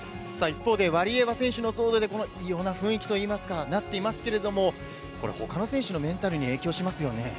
さあ、一方でワリエワ選手の騒動で、この異様な雰囲気といいますか、なっていますけれども、これ、ほかの選手のメンタルに影響しますよね。